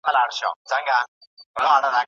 د بنګهار نغمې ته غوږ نیولی